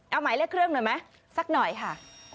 เอาหมายเลขเครื่องหน่อยไหมสักหน่อยค่ะ